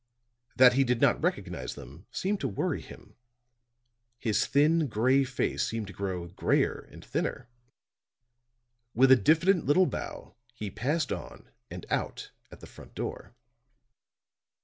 That he did not recognize them seemed to worry him; his thin, gray face seemed to grow grayer and thinner; with a diffident little bow he passed on and out at the front door.